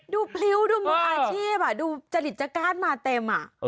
ดูพริ้วดูอาเทพดูจริจการมาเต็ม